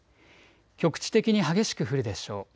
局地的に激しく降るでしょう。